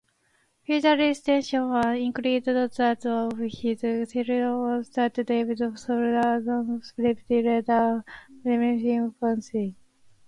Further resignations included that of his chief-of-staff David Soutter and deputy leader Damian Hockney.